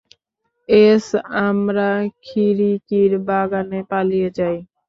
S আমরা খিড়িকির বাগানে পালিয়ে যাই।